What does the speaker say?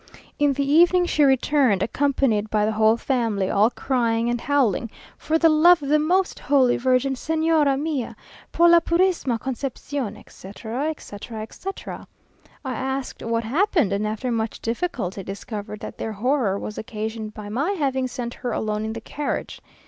In the evening she returned, accompanied by the whole family, all crying and howling; "For the love of the Most Holy Virgin, Señora mia! Por la purissima Concepción!" etc., etc., etc. I asked what had happened, and after much difficulty discovered that their horror was occasioned by my having sent her alone in the carriage.